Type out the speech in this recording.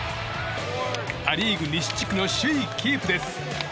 ア・リーグ西地区の首位キープです。